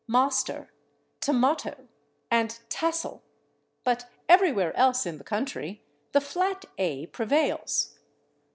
/master/, /tomato/ and /tassel/, but everywhere else in the country the flat /a/ prevails.